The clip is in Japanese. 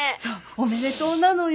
おめでとうなのよ。